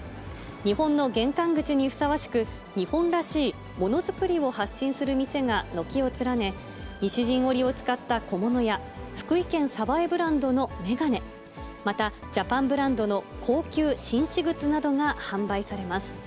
日本の玄関口にふさわしく、日本らしいものづくりを発信する店が軒を連ね、西陣織を使った小物や、福井県鯖江ブランドの眼鏡、また、ジャパンブランドの高級紳士靴などが販売されます。